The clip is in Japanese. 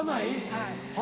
はい。